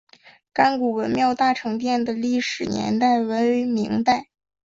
甘谷文庙大成殿的历史年代为明代。